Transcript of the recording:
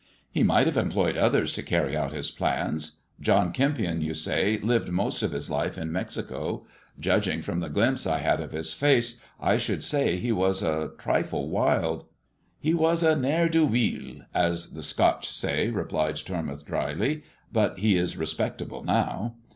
" He might have employed others to carry out his plans. John Kempion, you say, lived most of his life in Mexico. Judging from the glimpse I had of his face, I should say he was a trifle wild." "He was a * ne'er do weel,' as the Scotch say," replied Tormouth dryly, "but he is respectable now."